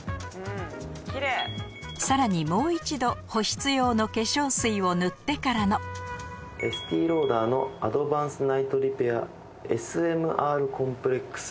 さらにもう一度保湿用の化粧水を塗ってからのエスティローダーのアドバンスナイトリペアＳＭＲコンプレックス。